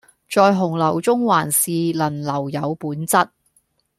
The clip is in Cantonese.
在洪流中還是能留有本質